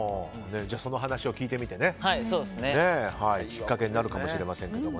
じゃあ、その話を聞いてみてきっかけになるかもしれません。